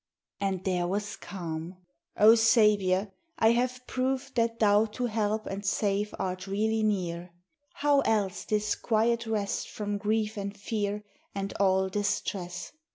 And there was calm! O Saviour, I have proved That thou to help and save art really near: How else this quiet rest from grief and fear And all distress?